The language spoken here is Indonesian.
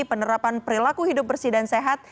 penerapan perilaku hidup bersih dan sehat